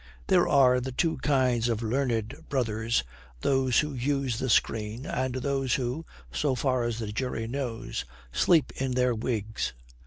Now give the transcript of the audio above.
There are the two kinds of learned brothers, those who use the screen, and those who (so far as the jury knows) sleep in their wigs.